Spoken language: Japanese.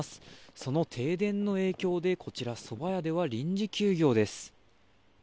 その停電の影響でこちら、そば屋では臨時休業です。